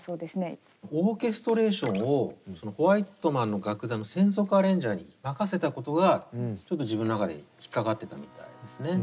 オーケストレーションをホワイトマンの楽団の専属アレンジャーに任せたことがちょっと自分の中で引っ掛かってたみたいですね。